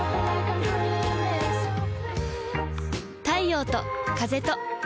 太陽と風と